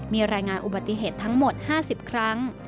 มีรายงานอุบัติเหตุทั้งหมด๕๐ครั้ง